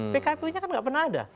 pek kpu nya kan tidak pernah ada